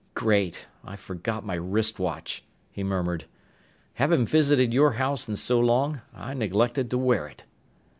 "Great! I forgot my wrist watch!" he murmured. "Haven't visited your house in so long I neglected to wear it."